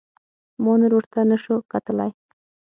ما نور ورته نسو کتلاى.